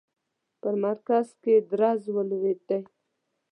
په مرکز کې درز ولوېدی.